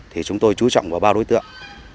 thì chúng tôi chú trọng vào ba đối tượng